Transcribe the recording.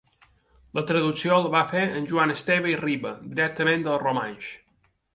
La traducció la va fer en Joan Esteve i Riba directament del romanx.